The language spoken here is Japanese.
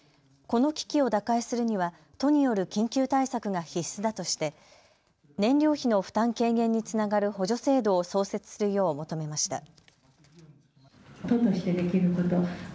この危機を打開するには都による緊急対策が必須だとして燃料費の負担軽減につながる補助制度を創設するよう求めました。